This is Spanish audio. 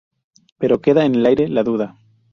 Pero queda en el aire la duda.